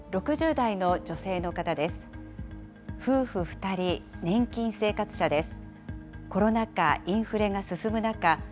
６０代の男性の方です。